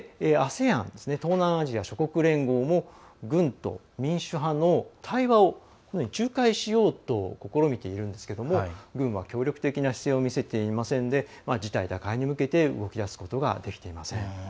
そして、ＡＳＥＡＮ＝東南アジア諸国連合も軍と民主派の対話を仲介しようと試みているんですけれども軍は協力的な姿勢を見せていませんで事態打開に向けて動き出すことができていません。